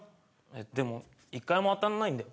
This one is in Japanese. でも１回も当たんないんだよ？